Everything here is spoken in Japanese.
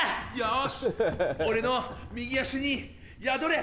俺の右足に宿れ！